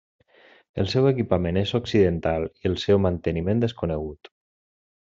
El seu equipament és occidental, i el seu manteniment desconegut.